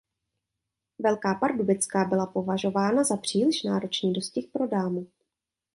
Velká pardubická byla považována za příliš náročný dostih pro dámu.